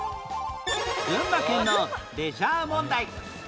群馬県のレジャー問題